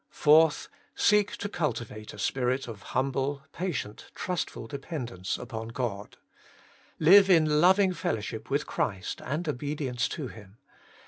4. Seek to cuhivate a spirit of humble, patient, trustful dependence upon God. Live in loving fellowship with Christ, and obedience to Him.